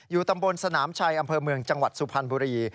ตำบลสนามชัยอำเภอเมืองจังหวัดสุพรรณบุรี